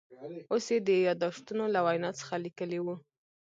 اوس یې د یاداشتونو له وینا څخه لیکلي و.